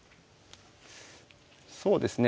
そうですね。